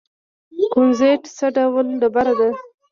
کونزیټ څه ډول ډبره ده؟